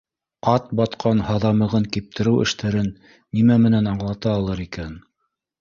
Атбатҡан һаҙамығын киптереү эштәрен нимә менән аңлата алыр икән?